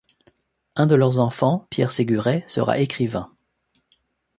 Un de leurs enfants, Pierre Séguret, sera écrivain.